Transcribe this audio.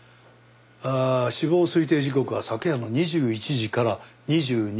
あー死亡推定時刻は昨夜の２１時から２２時の間。